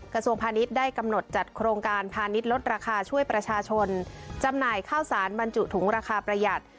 กระทรวงพาณิชย์ได้กำหนดจัดโครงการพาณิชย์ลดราคาช่วยประชาชนจำหน่ายข้าวสารบรรจุถุงราคาประหยัด